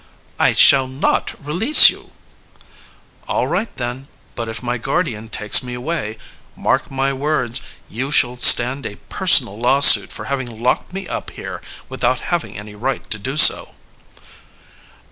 "I shall not release you." "All right, then. But if my guardian takes me away, mark my words, you shall stand a personal lawsuit for having locked me up here without having any right to do so."